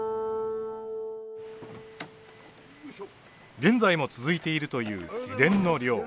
現在も続いているという秘伝の漁。